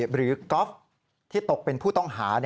ก๊อฟที่ตกเป็นผู้ต้องหา